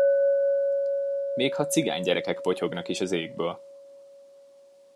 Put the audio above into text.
Még ha cigánygyerekek potyognak is az égből.